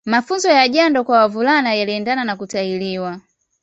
Mafunzo ya jando kwa wavulana yaliendana na kutahiriwa